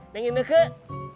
neng ine kek